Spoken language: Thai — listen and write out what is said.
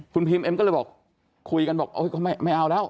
คุณพีมเอ็มก็เลยบอกคุยกันบอกก็ไม่เอาแล้ว